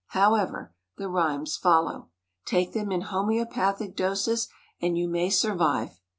However, the rhymes follow. Take them in homeopathic doses and you may survive.